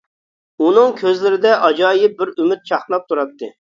ئۇنىڭ كۆزلىرىدە ئاجايىپ بىر ئۈمىد چاقناپ تۇراتتى.